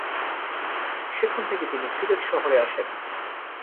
সেখান থেকে তিনি সিলেট শহরে আসেন।